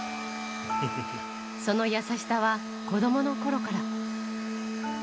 その優しさは子どものころから。